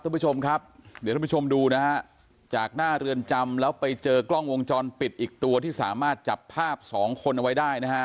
ท่านผู้ชมครับเดี๋ยวท่านผู้ชมดูนะฮะจากหน้าเรือนจำแล้วไปเจอกล้องวงจรปิดอีกตัวที่สามารถจับภาพสองคนเอาไว้ได้นะฮะ